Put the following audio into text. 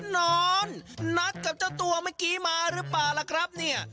นอนนัดกับเจ้าตัวเมื่อกี้มาหรือเปล่าล่ะครับเนี่ย